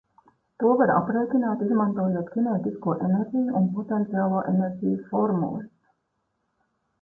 To var aprēķināt, izmantojot kinētisko enerģiju un potenciālo enerģiju formulas: